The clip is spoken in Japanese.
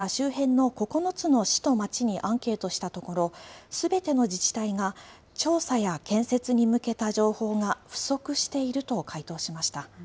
ＮＨＫが周辺の９つの市と町にアンケートしたところ、すべての自治体が、調査や建設に向けた情報が不足していると回答しました。